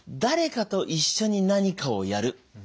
誰かと一緒に何かをやる。